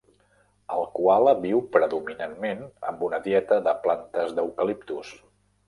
El coala viu predominantment amb una dieta de plantes d'eucaliptus.